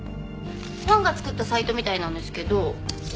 ファンが作ったサイトみたいなんですけど。